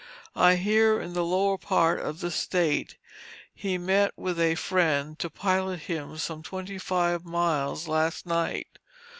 I hear in the lower part of this State, he met with a friend to pilot him some twenty five miles last night.